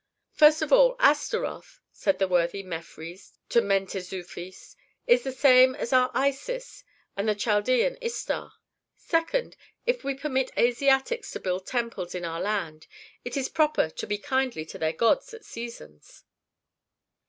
"First of all, Astaroth," said the worthy Mefres to Mentezufis, "is the same as our Isis and the Chaldean Istar; second, if we permit Asiatics to build temples in our land it is proper to be kindly to their gods at seasons."